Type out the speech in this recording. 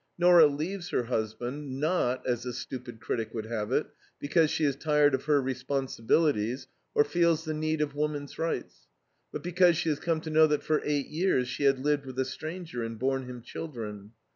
Nora leaves her husband, not as the stupid critic would have it because she is tired of her responsibilities or feels the need of woman's rights, but because she has come to know that for eight years she had lived with a stranger and borne him children.